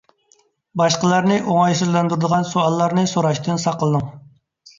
باشقىلارنى ئوڭايسىزلاندۇرىدىغان سوئاللارنى سوراشتىن ساقلىنىڭ.